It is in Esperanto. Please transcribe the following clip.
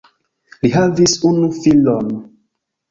Li havis unu filon.